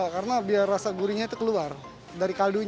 karena biar rasa gurihnya keluar dari kaldu